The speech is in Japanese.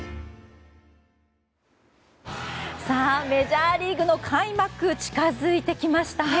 メジャーリーグの開幕近づいてきました。